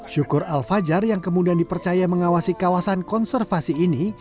syukur al fajar yang kemudian dipercaya mengawasi kawasan konservasi ini